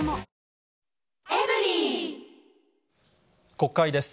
国会です。